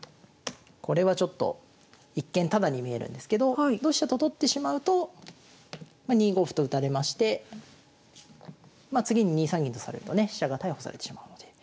これはちょっと同飛車と取ってしまうと２五歩と打たれまして次に２三銀とされるとね飛車が逮捕されてしまうので。